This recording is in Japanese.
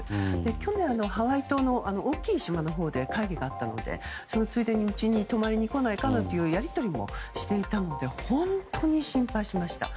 去年、ハワイ島の大きい島で会議があったので、ついでにうちに泊まりに来ないかというやり取りもしていたので本当に心配しました。